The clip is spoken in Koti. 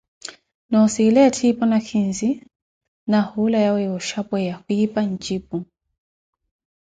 Noosila etthipo nakhinzi, na hula yawe yooxhapeya, khwipa ncipu.